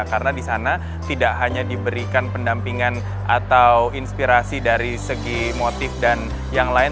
karena di sana tidak hanya diberikan pendampingan atau inspirasi dari segi motif dan yang lain